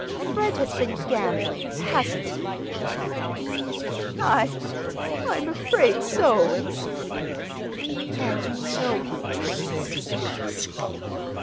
Fred has been gambling, hasn't he?" "I—I'm afraid so." "And you know he drinks."